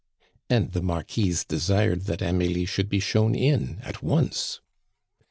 And the Marquise desired that Amelie should be shown in at once.